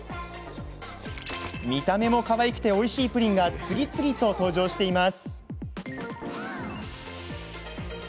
見た目もかわいくておいしいプリンが次々と登場しています。